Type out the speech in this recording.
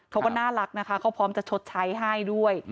เขาก็น่ารักนะคะเขาพร้อมจะชดใช้ให้ด้วย